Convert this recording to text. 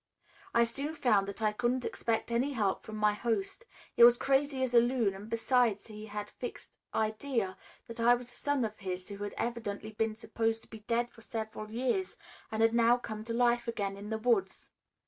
I soon found that I couldn't expect any help from my host. He was crazy as a loon and besides he had a fixed idea that I was a son of his who had evidently been supposed to be dead for several years and had now come to life again in the woods.